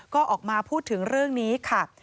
ก็ออกมาพูดถึงเรื่องนี้ค่ะ